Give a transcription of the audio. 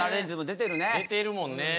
・出てるもんね。